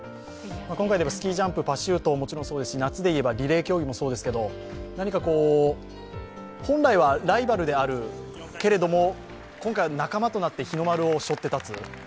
今回、スキージャンプ、パシュートはもちろんそうですし夏でいえばリレー競技もそうですけど本来はライバルであるけれども、今回は仲間となって日の丸をしょって立つ。